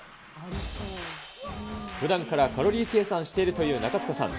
ふだんからカロリー計算しているという中務さん。